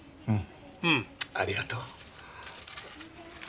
うんありがとう。